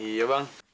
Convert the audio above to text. oke alih bang